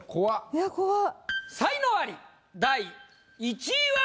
いや怖っ。